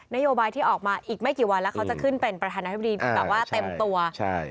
นโยบายที่ออกมาอีกไม่กี่วันแล้วเขาจะขึ้นเป็นประธานาธิบดีแบบว่าเต็มตัวใช่